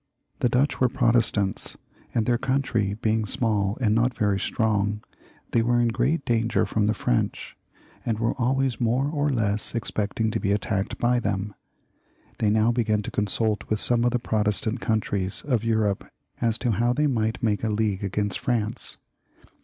The Dutch were Pro testants, and their country being small and not very strong, they were in great danger from the French, and were always more or less expecting to be attacked by them. They now began to consult with some of the Protestant countries of Europe as to how they might make a league against France.